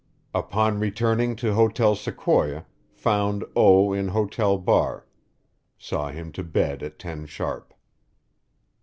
Upon returning to Hotel Sequoia, found O. in hotel bar. Saw him to bed at 10 sharp.